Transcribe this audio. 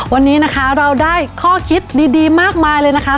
วันนี้นะคะเราได้ข้อคิดดีมากมายเลยนะคะ